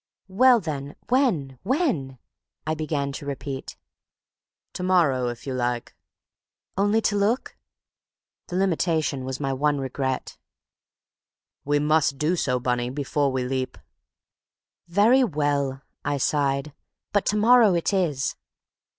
"Well, then, when—when?" I began to repeat. "To morrow, if you like." "Only to look?" The limitation was my one regret. "We must do so, Bunny, before we leap." "Very well," I sighed. "But to morrow it is!"